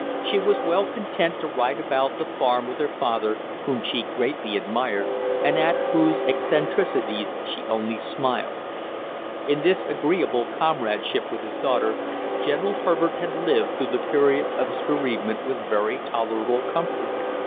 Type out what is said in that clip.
She was well content to ride about the farm with her father, whom she greatly admired, and at whose eccentricities she only smiled. In this agreeable comradeship with his daughter, General Herbert had lived through the period of his bereavement with very tolerable comfort.